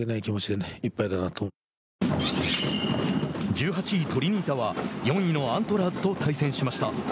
１８位トリニータは４位のアントラーズと対戦しました。